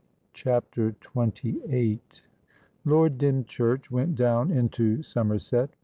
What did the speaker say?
CHAPTER XXVIII Lord Dymchurch went down into Somerset.